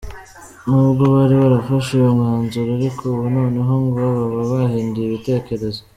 N’ubwo bari barafashe uyu mwanzuro ariko ubu noneho ngo baba bahinduye ibitekerezo.